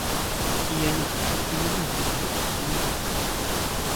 І я не хачу і не магу з гэтым прымірыцца.